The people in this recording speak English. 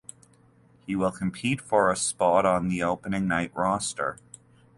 He will compete for a spot on the opening night roster.